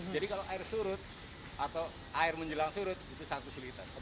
jadi kalau air surut atau air menjelang surut itu sangat kesulitan